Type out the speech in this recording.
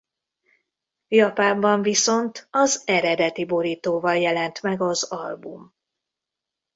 Japánban viszont az eredeti borítóval jelent meg az album.